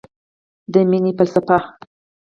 د مینې فلسفه